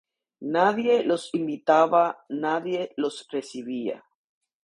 Nadie los invitaba, nadie los recibía.